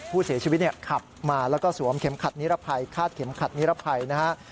ผู้เสียชีวิตขับมาแล้วก็สวมเข็มขัดนิรภัยคาดเข็มขัดนิรภัยนะฮะ